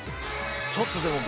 ちょっとでも。